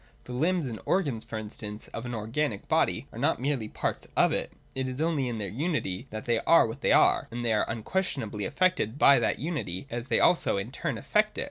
The limbs and organs, for instance, of an organic body are not merely parts of it : it is only in their unity that they are what they are, and they are un 246 THE DOCTRINE OF ESSENCE. [i35> isS questionably affected by that unity, as they also in turn affect it.